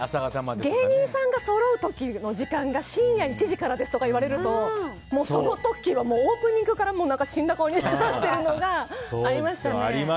芸人さんがそろう時の時間が深夜１時からですとか言われると、その時はオープニングから死んだ顔になってるのがありましたね。